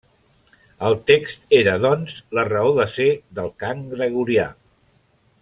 El text era, doncs, la raó de ser del cant gregorià.